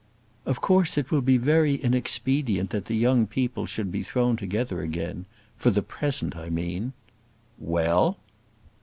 "Of course it will be very inexpedient that the young people should be thrown together again; for the present, I mean." "Well!"